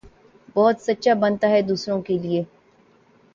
بہت سچا بنتا ھے دوسروں کے لئے